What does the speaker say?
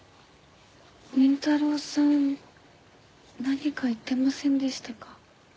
倫太郎さん何か言ってませんでしたか？